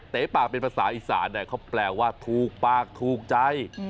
ปากเป็นภาษาอีสานเขาแปลว่าถูกปากถูกใจ